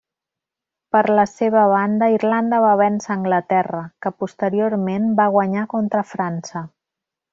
Per la seva banda, Irlanda va vèncer a Anglaterra, que posteriorment va guanyar contra França.